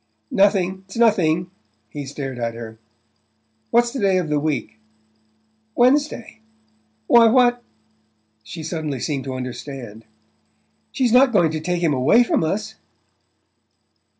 "Nothing it's nothing." He stared at her. "What's the day of the week?" "Wednesday. Why, what ?" She suddenly seemed to understand. "She's not going to take him away from us?"